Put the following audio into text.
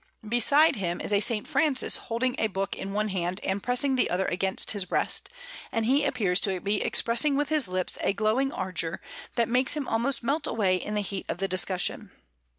Beside him is a S. Francis holding a book in one hand and pressing the other against his breast; and he appears to be expressing with his lips a glowing ardour that makes him almost melt away in the heat of the discussion.